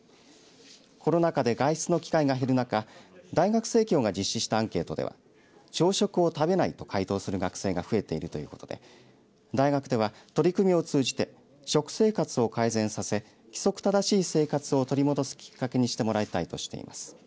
コロナ禍で外出の機会が減る中大学生協が実施したアンケートでは朝食を食べないと回答する学生が増えているということで大学では取り組みを通じて食生活を改善させ規則正しい生活を取り戻すきっかけにしてもらいたいとしています。